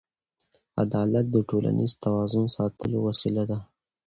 عدالت د ټولنیز توازن ساتلو وسیله ده.